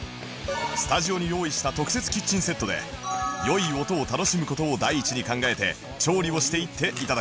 スタジオに用意した特設キッチンセットで良い音を楽しむ事を第一に考えて調理をしていって頂きます